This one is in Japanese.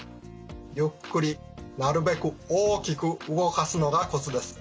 ゆっくりなるべく大きく動かすのがコツです。